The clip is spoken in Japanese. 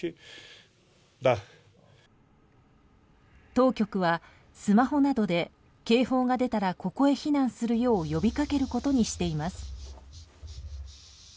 当局はスマホなどで警報が出たらここへ避難するよう呼びかけることにしています。